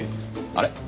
あれ？